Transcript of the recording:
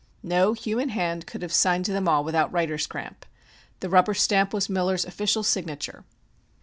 No human hand could have signed them all without writer's cramp. The rubber stamp was Miller's official signature.